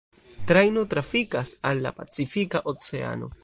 Trajno trafikas al la Pacifika oceano.